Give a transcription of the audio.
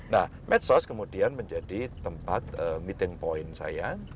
nah medsos kemudian menjadi tempat meeting point saya